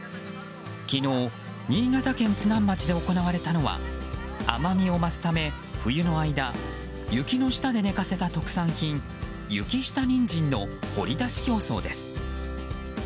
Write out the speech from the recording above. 昨日新潟県津南町で行われたのは甘みを増すため冬の間雪の下で寝かせた特産品雪下ニンジンの掘り出し競争です。